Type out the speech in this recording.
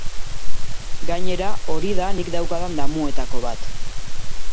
Gainera, hori da nik daukadan damuetako bat.